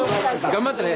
頑張ってね。